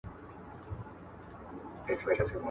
یوځل وانه خیست له غوښو څخه خوند ,